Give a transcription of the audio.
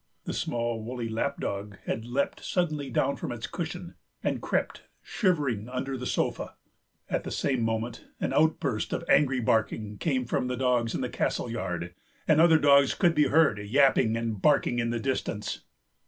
The small, woolly lapdog had leapt suddenly down from its cushion and crept shivering under the sofa. At the same moment an outburst of angry barking came from the dogs in the castle yard, and other dogs could be heard yapping and barking in the distance.